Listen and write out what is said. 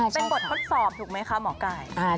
เป็นบททดสอบถูกไหมคะหมอไก่